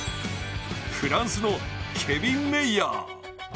フランスのケビン・メイヤー。